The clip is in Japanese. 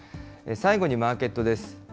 最後にマーケットです。